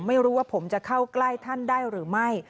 ไม่รู้ว่าผมจะเข้าใกล้ท่านได้หรือไม่